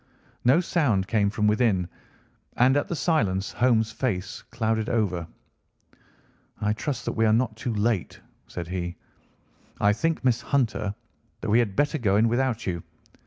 No sound came from within, and at the silence Holmes' face clouded over. "I trust that we are not too late," said he. "I think, Miss Hunter, that we had better go in without you.